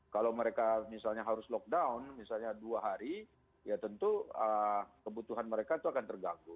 kalau mereka misalnya harus lockdown misalnya dua hari ya tentu kebutuhan mereka itu akan terganggu